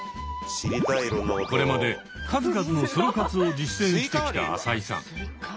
これまで数々のソロ活を実践してきた朝井さん。